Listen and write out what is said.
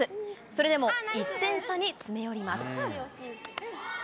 それでも１点差に詰め寄ります。